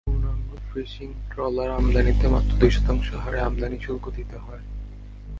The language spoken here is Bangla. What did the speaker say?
পূর্ণাঙ্গ ফিশিং ট্রলার আমদানিতে মাত্র দুই শতাংশ হারে আমদানি শুল্ক দিতে হয়।